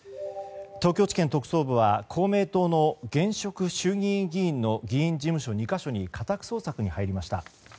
東京地検特捜部は、公明党の現職衆議院議員の議員事務所２か所に家宅捜索に入りました。